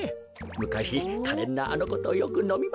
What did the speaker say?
むかしかれんなあのことよくのみました。